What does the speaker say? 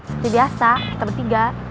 seperti biasa kita bertiga